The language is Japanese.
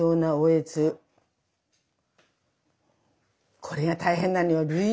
これが大変なのよ。